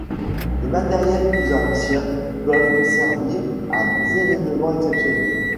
Des matériels plus anciens peuvent servir à des évènements exceptionnels.